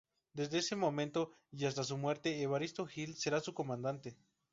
Desde este momento y hasta su muerte Evaristo Gil será su comandante.